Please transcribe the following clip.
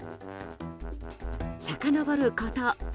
さかのぼること